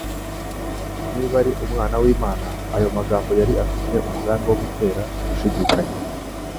"niba uri Umwana w'Imana". Aya magambo yari afite umugambi wo gutera gushidikanya.